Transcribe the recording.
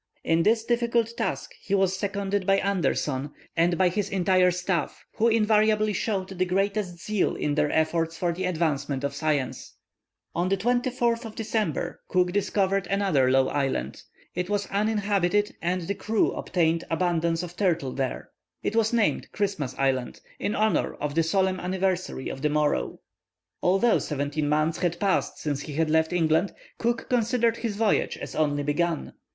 In this difficult task he was seconded by Anderson, and by his entire staff, who invariably showed the greatest zeal in their efforts for the advancement of science. [Illustration: Tree, from beneath which Cook observed the transit of Venus. (Fac simile of early engraving.)] On the 24th of December Cook discovered another low island. It was uninhabited and the crew obtained abundance of turtle there. It was named Christmas Island, in honour of the solemn anniversary of the morrow. Although seventeen months had passed since he left England, Cook considered his voyage as only begun.